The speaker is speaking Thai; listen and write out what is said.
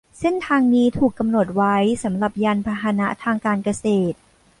เส้นทางนี้ถูกกำหนดไว้สำหรับยานพาหนะทางการเกษตร